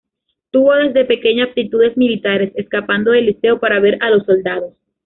Tuvo desde pequeño aptitudes militares, escapando del liceo para ver a los soldados.